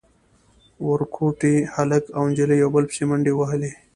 ورکوټي هلک او نجلۍ يو بل پسې منډې وهلې.